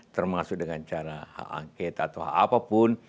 termasuk dengan cara hak angket atau apapun